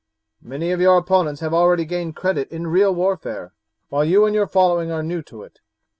Many of your opponents have already gained credit in real warfare, while you and your following are new to it.